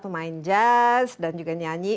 pemain jazz dan juga nyanyi